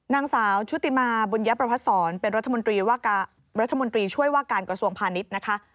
ทางสาวชุติมาร์บุญญาประพัทธ์ศรเป็นรัฐมนตรีช่วยว่าการกระทรวงผ่านิต